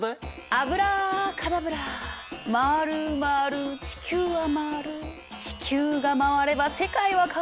アブラカダブラ回る回る地球は回る地球が回れば世界は変わる。